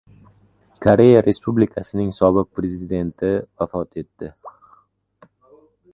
Koreya Respublikasining sobiq prezidenti vafot etdi